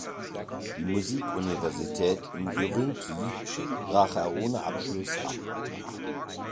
Die Musikuniversität in Ürümqi brach er ohne Abschluss ab.